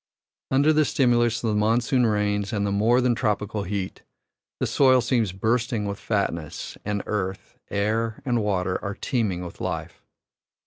Under the stimulus of the monsoon rains and the more than tropical heat, the soil seems bursting with fatness, and earth, air, and water are teeming with life.